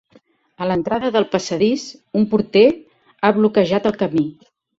A l'entrada del passadís, un porter ha bloquejat el camí.